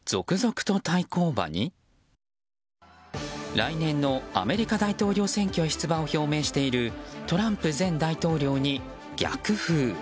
来年のアメリカ大統領選挙へ出馬を表明しているトランプ前大統領に逆風。